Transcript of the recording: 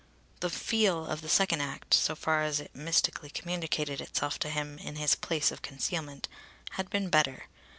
The "feel" of the second act, so far as it mystically communicated itself to him in his place of concealment, had been better.